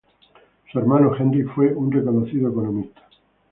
Su hermano Henri fue un reconocido economista.